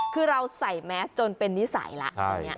คือเราใส่แมสจนเป็นนิสัยแล้ว